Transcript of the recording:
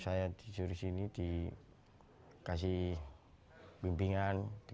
saya disuruh sini dikasih bimbingan dikasih bantuan